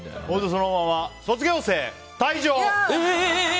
そのまま卒業生、退場！